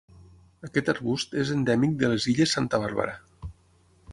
Aquest arbust és endèmic de les Illes Santa Bàrbara.